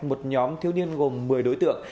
một nhóm thiếu niên gồm một mươi đối tượng